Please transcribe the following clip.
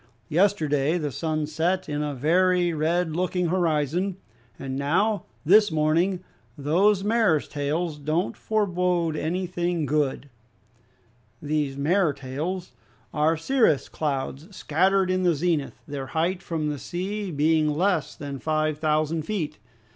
Yesterday the sun set in a very red looking horizon, and now, this morning, those mares tails don't forbode anything good." These mares tails are cirrus clouds, scattered in the zenith, their height from the sea being less than five thousand feet.